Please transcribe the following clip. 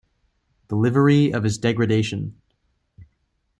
The livery of his degradation!